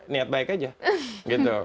niat baik aja gitu